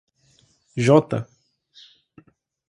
J